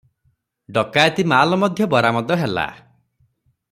ଡକାଏତି ମାଲ ମଧ୍ୟ ବରାମଦ ହେଲା ।